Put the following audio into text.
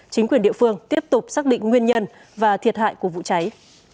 chính quyền địa phương tiếp tục xác định nguyên nhân và thiệt hại của vụ cháy